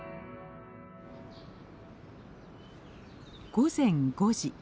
午前５時。